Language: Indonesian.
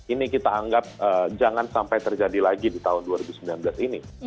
ini kita anggap jangan sampai terjadi lagi di tahun dua ribu sembilan belas ini